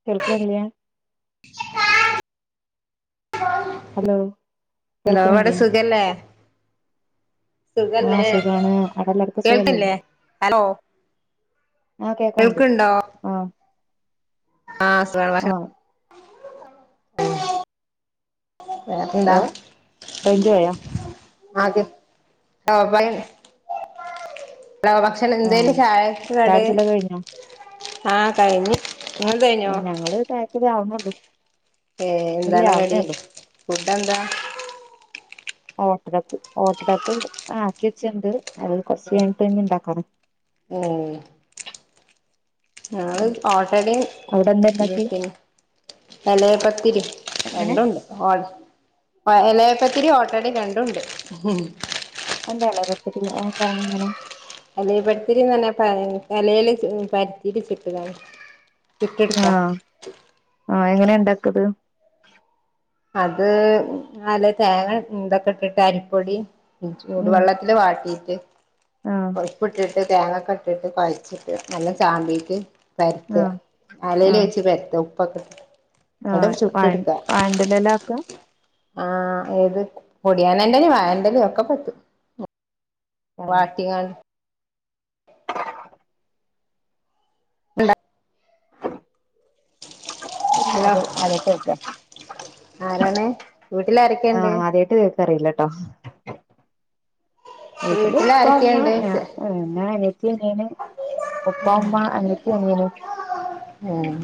[unintelligible] [unintelligible] Hello എന്താവടെ കേൾക്കണില്ലേ സുഖല്ലേ? ആഹ് സുഖല്ലേ സുഖാണ് അവിടെ എല്ലാർക്കും സുഖല്ലേ കേൾക്കില്ലേ? ഹലോ ആ കേക്കാണ്ട് കേൾക്കുണ്ടോ ആ ആഹ് സുഖ വേറെന്താ ഹലോ റേഞ്ച് പോയോ ആകെ [unintelligible] [unintelligible] എന്തേലും ആഹ് ഛായക്ക് ചായ കടി കുടിച്ചലൊക്കെ കഴിഞ്ഞോ ആ കഴിഞ്ഞു അത് ഞങ്ങള് ഛായക്കടി ആവുന്നേ ഒള്ളു ഏ എന്താണ് കടി. പുട്ടാ എന്താ? ഓട്ടടക്ക് ഓട്ടടക്ക് ആക്കി വെച്ചിട്ടുണ്ട് അത് കൊറച്ചെയ്ഞ്ഞിട്ടേ ന്നെ ഇണ്ടാക്കാറ് ഞങ്ങൾ ഓട്ടടെയും അവിടെ എന്താ ഇണ്ടാക്കി ബീഫും തലേപത്തിരി എങ്ങനെ രണ്ടുണ്ട് ഓട് അ എലയപ്പത്തിരി ഓട്ടടേം രണ്ടുണ്ട് എന്താ എലയപ്പത്തിരിന്ന് ആ സാധനം എങ്ങനെ? എലിപ്പത്തിരി എന്നു പറഞ്ഞ ഇലയില് പരുത്തിയിട്ട് ചുടുക ആ ആ എങ്ങനെ ണ്ടാക്കാത്? അത് നല്ല തേങ്ങ ഇതൊക്കെ ഇട്ടിട്ട് അരിപ്പൊടി ഉം ചൂടുവെള്ള വാട്ടിയിട്ട് ആഹ് ഉപ്പ് ഇട്ടിട്ട് തേങ്ങക്കെ ഇട്ടിട്ട് കൊഴച്ചിട്ട് നല്ലോം ചാമ്പീട്ട് പരത്ത ആഹ് അലേല് ആഹ് വെച്ച് പരത്തും പൊക്ക് ആഹ് വ വ ണ്ടുന്നേലക്കും ആ ഏത് പൊടിയാനെന്റെലേ വായന്റെ ലേം ഒക്കെ പറ്റും ആഹ് വാട്ടിക [unintelligible] ഹലോ ഇപ്പൊതിലേത് ആരെട്ത്ത കൊടുക്ക? ആരാണ് വീട്ടിലാരക്ക ആ ആദ്യായിട്ട് കേക്കാ അറിയിലാട്ടോ വീട്ടില് വീട്ടിൽ ഉപ്പ മ്മ ആരൊക്കെയുണ്ട് ഞാ ചോദിച്ചേ ഞാ അനിയത്തി അനിയന് ഉപ്പ ഉമ്മ അനിയത്തി അനിയന് ഉം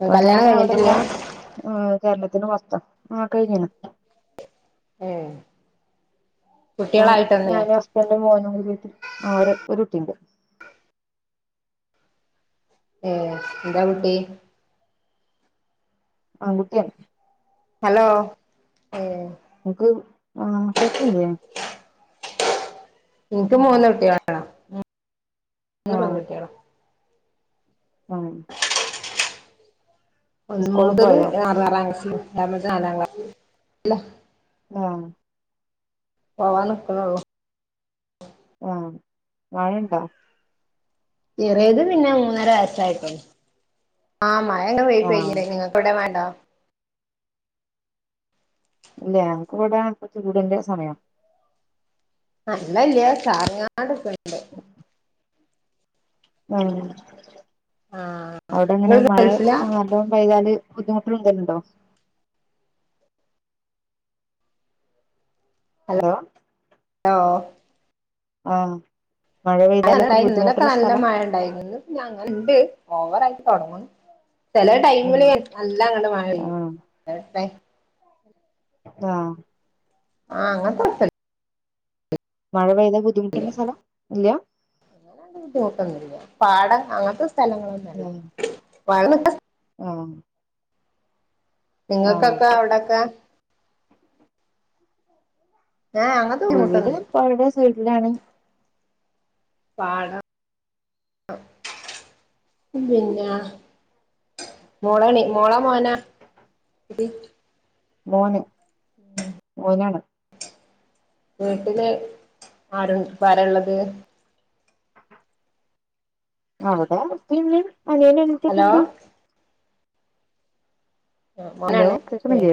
ഇപ്പൊ കല്യാണം ഞാൻ അവിടെല്ല കഴിഞ്ഞിട്ടില്ല കേരളത്തിന് പൊറ്ത്ത ആ കഴിഞ്ഞ്ണ് ഏഹ് ഇപ്പൊ ഞാനും ഹസ്ബൻഡും മോനും വീട്ടിൽ ആ ഒര് ഒരു കുട്ടിയുണ്ട് ഏഹ് എന്താ കുട്ടി ആൺകുട്ടിയാണ് ഹലോ ഏഹ് ൻക്ക് ആ കേക്ക്ല്ലേ ഇൻക്ക് മൂന്ന് കുട്ട്യാളാ മൂന്ന് പെൺകുട്ട്യാൾ വാഴും ഒന്ന് സ്കൂളിൽ മൂതത് പോയോ ആറാറാം ക്ലാസി രണ്ടാമത് നാലാം ക്ലാ ലെ ഉം പോവാ നിക്ക്ണള്ളൂ ആഹ് മഴണ്ടോ ചെറേത് പിന്നെ മൂന്നര വയസ്സായിട്ടള്ളൂ ആഹ് മഴ ങ്ങ പെ ആഹ് പെയ്യ്ണ് ഇങ്ങക്കവിടെ മഴണ്ടോ ഇല്ലാ ഞങ്ങക്ക് ഇവിടെ ഉച്ചച്ചുടിന്റെ സമയാ ആഹ് ഇള്ളല്ല്യ കാറങ്ങാട് പെ ഉം ആഹ് അവിടെങ്ങനെ നിങ്ങൾ മഴ ഗൾഫിലാ [unintelligible] പ്പൊ കൈ കാല്ബുദ്ധിമുട്ട് എന്തേലുണ്ടോ ഹലോ ഓ ആഹ് മഴ അ പെയ്താലൊക്കെ [unintelligible] ഇന്നലൊക്കെ ബുദ്ധിമുട്ടുള്ള നല്ല സ്ഥലാ മഴ ഇണ്ടായിനി ഇന്ന്പ്പഞ്ഞങ്ങ ഇണ്ട് ഓവറായിട്ട് തുടങ്ങ്ണ് ചെലെ ഉം ടൈമില് നല്ലാം അങ്ങട് മഴെയ്യും ആഹ് ടെടെ ആഹ് ആഹ് അങ്ങൻതെകൊപ്പല്ല മഴ പെയ്താ ബുദ്ധിമുട്ട്ള്ള സ്ഥലം ഇല്ല [unintelligible] ട്ടൊന്നില്ല പാടം അങ്ങനത്തെ സ്ഥലങ്ങളൊ ഉം ആഹ് ആഹ് ഇങ്ങക്കത്താ അവിടെക്കെ ഏഹ് അങ്ങ വീട് പൊഴയുടെ സൈടിലാണ് പാടം പിന്നെല്ലാ മോളണി മോളാ മോനാ മോന് ഉം ഒരാള് വീട്ടില് ആരുൺഇപ്പോ വരള്ളത് ആഹ് ഇവടെ ഇപ്പിം ഇമ്മിം അനിയനും ഹലോ അനിയത്തിയൊക്കണ്ട് ഹലോ മോനാണ് ഏ കേക്കണില്ലേ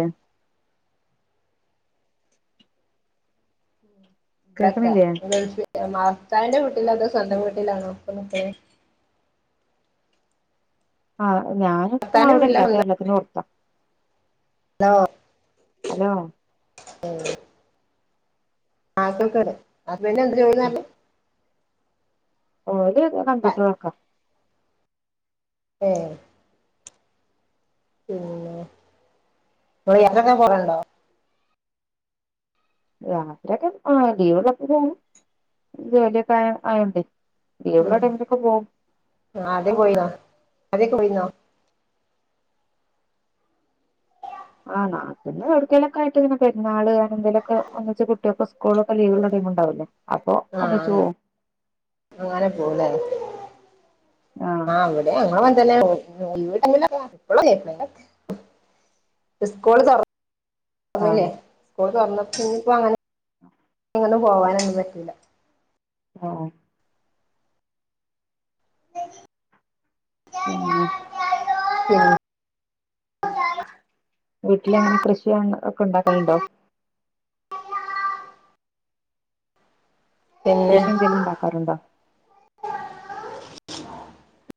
ക്കത്ത കേൾക്കണില്ലേ ഗൾഫില് മഫ്ത്താവ്ന്റെ വീട്ടിലാ അതൊ സ്വന്തം വീട്ടിലാണോ ഇപ്പ നിക്ക്ണെ ആഹ് ഞാനിപ്പൊ ഭർത്താവിന്റെ വീട്ടിലാ അവിടല്ല സ്വന്തം കേരളത്തിന് പൊർത്താ ഹലോ ഹലോ ആക്രിക്കട ഹസ്ബന്റ് എന്ത് ജോലിന്നർനെ ഓല് പറഞ്ഞെ കമ്പ്യൂട്ടർ വർക്കാ ഏഹ്. പിന്നെ ങള് യാത്രൊക്കെ പോകല്ണ്ടോ? രാത്രിയൊക്കെ ആഹ് ലീവ്ള്ളപ്പോ പോവു ജോലിയൊക്കെ ആയ് ആയോണ്ടെ. എവ്ടെ ടൈംസക്ക പോവും. ആ ആദ്യം പോയിന്നോ അതേ പോയിന്നോ ആഹ നാട്ടന്ന് എടുക്കലൊക്കെ ആട്ട് ഇങ്ങെ നെ പെര്ന്നാള്ങ്ങെന്തങ്കലൊക്കെ വച്ച് കുട്ടികൊക്കെ സ്കൂളൊക്കെ ലീവുള്ള ടൈം ഉണ്ടാവില്ലേ അപ്പൊ ആഹ് ഒന്നിച്ച്പോവും. അങ്ങനെ പോലേ ആഹ് വിടി ഞങ്ങളങ്ങൻ തന്നെ. [unintelligible] ഇവടങ്ങനെ പ്പളും [unintelligible] സ്കൂൾ തൊർ തന്നല്ലേ സ്കൂൾ തുന്നപ്പോ ഇയിപ്പോ അങ്ങന ആ പന്നെ പോകാനൊന്നും പറ്റുല. ആഹ്. സരി ഉ ഉം. വീട്ടിലെങ്ങനെ കൃഷിയ ഒക്കണ്ടാക്കലുണ്ടോ? പിന്നെ കൃഷി ന്തെലുണ്ടാക്കാറുണ്ടോ?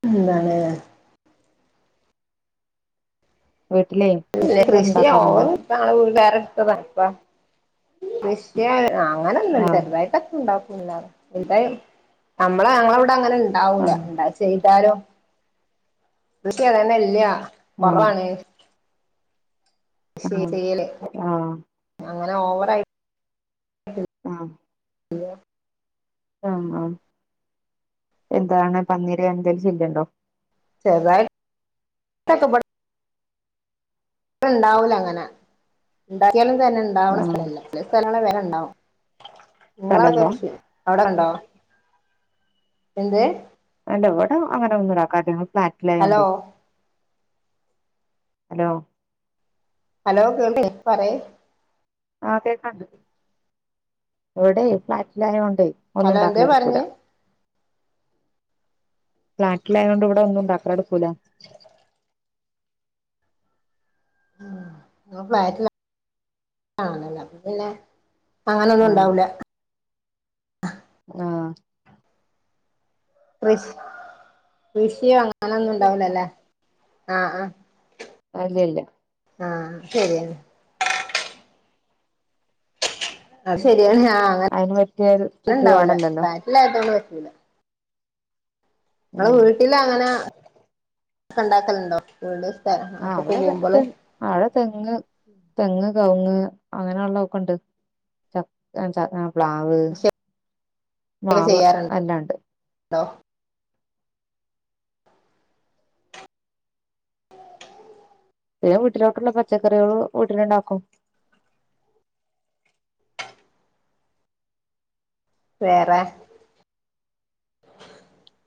പിന്നെ എന്താണ് വീട്ട്ലേ. [unintelligible] കൃഷി ഓവർ ത്താ [unintelligible] ശ്. ക്യയ് അങ്ങനെന്നുൽ ആഹ് ചെറുതായിട്ടെത്തുണ്ടാക്കൂല്ല എന്തായും അമ്മളെ അങ്ങള വടഅങ്ങനെ ണ്ടാവൂല ആഹ് ണ്ട ചെയ്താലൊ കൃഷി അതന്നെ ഇല്ല ആഹ് കൊറവാണ്. ആഹ് ശരീല് ആഹ് അങ്ങനെ ഓവറയി. ആ ആ ആ എന്താണ് പന്നീര എന്തശ ഇല്ലണ്ടോ ചെറ്തായ് [unintelligible] മ്പൾ. ണ്ടാവുലങ്ങന ണ്ടായാലും തന്നെ ണ്ടാവ്ണ ആഹ് സ്ഥലല്ല ചില സ്ഥലങ്ങളി വേഗണ്ടാവും നിങ്ങളൊക്കെ സ്ഥലണ്ടോ കൃഷി. അവടെ ണ്ടോ എന്ത്? അല്ലവിടെ അങ്ങനെ ഒന്നും ണ്ടാക്കാൻ പറ്റില്ലഫ്ലാറ്റില ആായ കൊണ്ട് ഹലോ ഹലോ ഹലോ കേൾക്ക് പറി. ആഹ കേക്കണ്ട എവിടെ ഫ്ലാറ്റിലായോൊണ്ടേ ഹലോ എന്തേ ഒന്നുണ്ടാക്കലടക്കൂല. പറഞ്ഞ് ഫ്ളാറ്റിലായത കൊണ്ട് ഇവിടെ ഒന്നുംണ്ടാക്കല് നടക്കൂല ഞങ്ങൾ ഫ്ലാറ്റിലാണല്ലോ അപ്പം പിന്നെ ആഹ് അങ്ങനന്നുണ്ടാവൂല. ആഹ്. കൃഷ് കൃഷി അങ്ങനൊന്നു ണ്ടാവൂല ലേ ആഹ് അഹ്. അല്ലല്ല. ആഹ് ശര്യന്നെ. അത് ശര്യാണ് ആഹ്. അങ്ങനെ അയ്ന് പറ്റ്യരു ചുറ്റുപാടല്ലല്ലോ. ഇല്ല അതൊാണ് വച്ചില്ല ങ്ങള് ഉം വീട്ടിലങ്ങന ക്കണ്ടാക്കലുണ്ടോ വീട് സ്ത ആഹ് നാട്ട്ക്ക് അവിടെ തെ പോകുമ്പള്. അവിടെ തെങ്ങ് തെങ്ങ് കവങ്ങ് അങ്ങനെയള്ള ഒക്കെ ഉണ്ട് ച ച ചവ പ്ലാവ് മാവ് എല്ലാണ്ട്. ട്ടൊ. [inaudible] പിന്നെ വീട്ടിലോട്ടുള്ള പച്ചക്കറികൾ വീട്ടിലുണ്ടാക്കും. വേറെ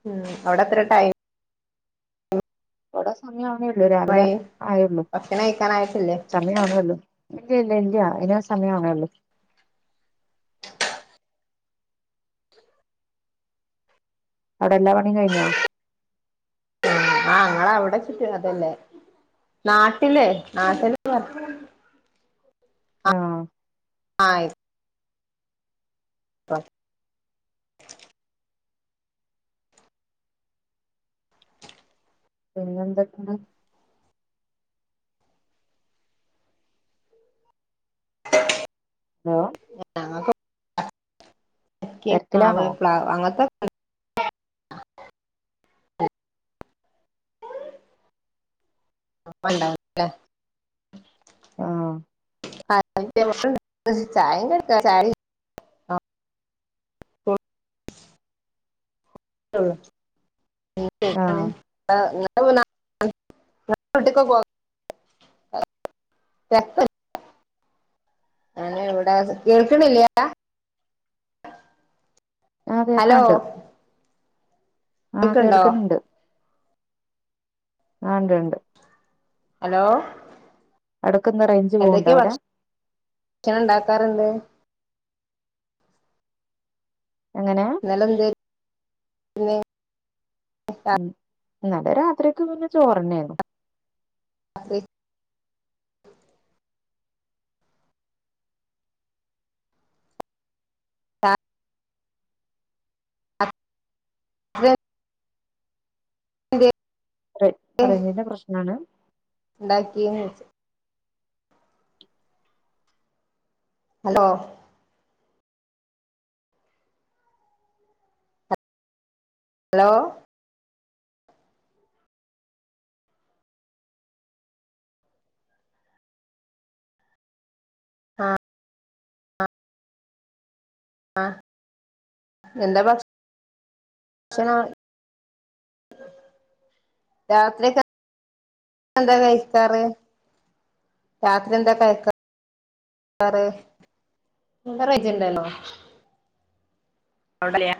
ഉം അവ്ടെ എത്ര ടൈം ഇവ്ടെ സമയാവ്ണേള്ളൂ രാവ് ലെ ടൈമായി ആയേള്ളൂ ഭക്ഷണം കഴിക്കാനായിട്ടില്ലേ സമയ ആവ്ണേള്ളു ഇല്ല ഇല്ല ഇല്ല അയിന് സമയാവ്ണേള്ളൂ അവ്ടെ എല്ലാ പണിംകഴിഞ്ഞോ ആഹ് ങ്ങളെ അവ്ടെ ച്ട്ട് അതല്ലേ നാട്ടിലേ നാട്ടില് ആഹ് ആയി പ്പ പിന്നെന്തൊക്കെ ആണ് [inaudible] ഹലോ ഞങ്ങക്കു ചക്കിം മാവ് തിരക്കിലാണോ പ്ലാവ് അങ്ങത്തെ [inaudible] അപ്പണ്ടാവല്ലേ ആഹ് ചായിം കടിം ട്ടു ആഹ് [unintelligible] [unintelligible] ഇങ്ങളെ വീട്ടിക്ക്‌ പോ ചക്ക ഒര് ഞാന് ഇവ്ടെ കേൾക്ക്‌ണില്ലേ ആ കേക്കൻണ്ട് ആഹ് കേൾക്കണ്ടോ കേൾക്ക്‌ണ് ണ്ട് ആണ്ട് ണ്ട്. ഹലോ എടക്ക്ന്താ ‌ റേഞ്ച് പോവ്ണ്ടോ എന്തൊക്കെയ അവ്ടെ ഭക്ഷണം ഉണ്ടാക്കാറ്ണ്ട് എങ്ങനെ ഇന്നലെ എന്തെ ഉം ഇന്നലെ രാത്രിക്ക് പിന്നെ ചോറന്നെന്നു കറി രെ റേ റേയ്ഞ്ചിന്റെ പ്രശ്നാണ്. ണ്ടാക്കിയൊ ചോയ്ച്ചെ ഹലോ ഹലോ ആഹ് ആഹ് എന്താ ഭക്ഷ ച്ചനാഹ് രാത്രിക്കെ എന്താ കയിക്കാറ് രാത്രി എന്താ കാഴിക്കാറ് മീൻകറി വെച്ചിണ്ടാര്ന്നോ അവ്ടെ ല്ല്യാ